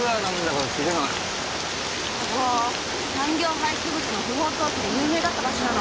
ここ産業廃棄物の不法投棄で有名だった場所なの。